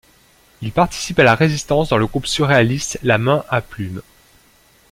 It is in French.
Il participe à la Résistance dans le groupe surréaliste La Main à Plume.